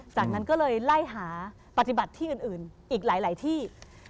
จากนั้นก็เลยไล่หาปฏิบัติที่อื่นอีกหลายที่